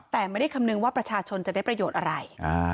แต่ไม่ได้คำนึงว่าประชาชนจะได้ประโยชน์อะไร